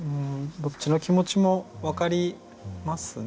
どっちの気持ちも分かりますね。